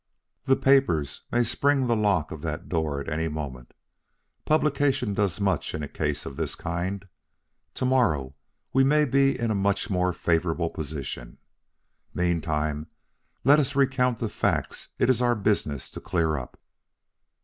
"The papers may spring the lock of that door at any moment. Publication does much in a case of this kind. To morrow we may be in a much more favorable position. Meantime, let us recount the facts it is our business to clear up."